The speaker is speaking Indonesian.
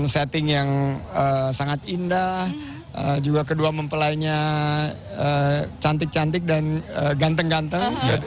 setting yang sangat indah juga kedua mempelainya cantik cantik dan ganteng ganteng